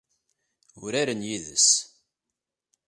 Uraren yid-s.